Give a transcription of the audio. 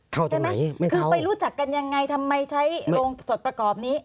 เท่าจังไงไม่เท่าคือไปรู้จักกันยังไงทำไมใช้โรงจดประกอบนี้